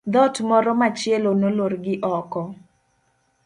dhot moro machielo nolor gi oko